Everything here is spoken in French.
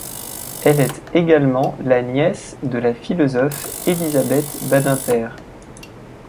Elle est également la nièce de la philosophe Elisabeth Badinter.